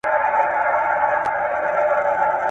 • خوله په غاښو ښايسته وي.